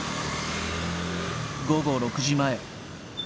午後６時前。